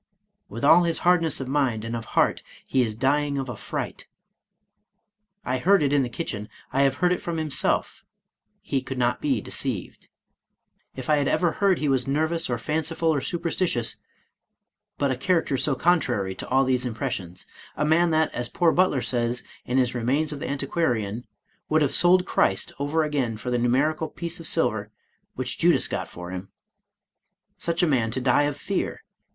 " With all his hardness of mind, and of heart, he is dying of a fright. I heard it in the kitchen, I have heard it from himself, — he could not be deceived. If I had ever heard 164 Charles Robert Maturin he was nervous, or fanciful, or superstitious^ bat a charac ter so contrary to all these impressions; — a, man that, as poor Butler says, in his ' Remains of the Antiquarian,' would have * sold Christ over again for the numerical piece of silver which Judas got for him,* — ^such a man to die of fear!